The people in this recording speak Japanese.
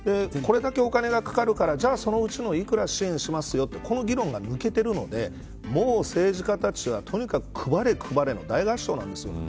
これだけお金がかかるからじゃあ、そのうちの幾ら支援しますよとその議論が抜けてるのでもう、政治家たちは、とにかく配れ配れの大合唱なんです。